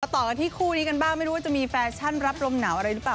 ต่อกันที่คู่นี้กันบ้างไม่รู้ว่าจะมีแฟชั่นรับลมหนาวอะไรหรือเปล่า